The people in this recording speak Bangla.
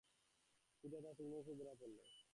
চিঠিটা তার তীক্ষদৃষ্টিতে ধরা পড়ল।